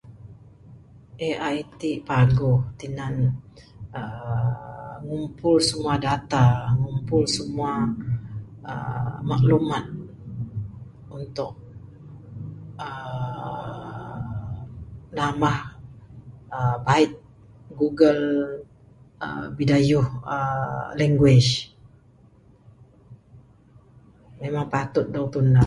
AI ti paguh tinan aaa ngumpul semua data ngumpul semua aaa maklumat untuk aaa nambah aaa bait google aaa bidayuh language en mah patut dog tunah.